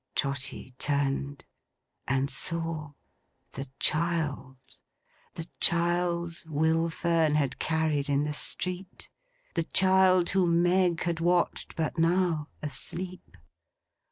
Trotty turned, and saw—the child! The child Will Fern had carried in the street; the child whom Meg had watched, but now, asleep!